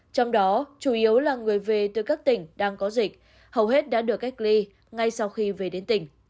trong đó chủ yếu là người về từ các tỉnh đang có dịch hầu hết đã được cách ly ngay sau khi về đến tỉnh